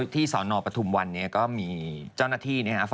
ที่สอนอปฐุมวันก็มีเจ้าหน้าที่ฝ่ายศึกษิวรรณ